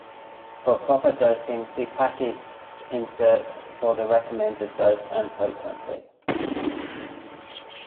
For proper dosing, see package insert for the recommended dose and frequency.